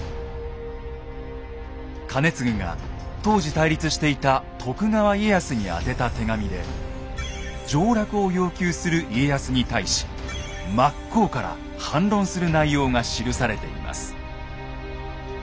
兼続が当時対立していた徳川家康に宛てた手紙で上洛を要求する家康に対し真っ向から反論する内容が記されています。